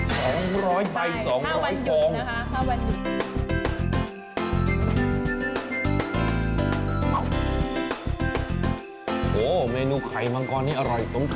๒๐๐ค่ะ๒๐๐ฟองใช่ถ้าวันหยุดนะคะถ้าวันหยุด